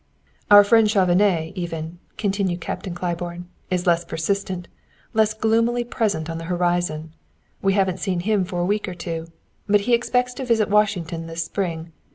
"Our friend Chauvenet, even," continued Captain Claiborne, "is less persistent less gloomily present on the horizon. We haven't seen him for a week or two. But he expects to visit Washington this spring.